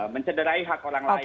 mencederai hak orang lain